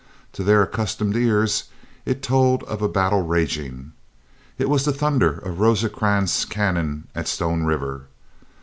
To their accustomed ears it told of a battle raging. It was the thunder of Rosecrans's cannon at Stone River.